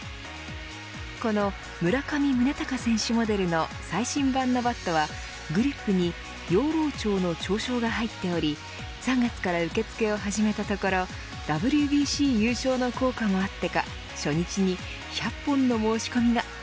この村上宗隆選手モデルの最新版のバットはグリップに養老町の町章が入っており３月から受け付けを始めたところＷＢＣ優勝の効果もあってか初日に１００本の申し込みが。